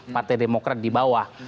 partai demokrat di bawah